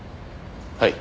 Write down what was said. はい。